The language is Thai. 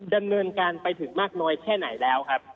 ดำเนินการไปถึงมากน้อยแค่ไหนแล้วครับ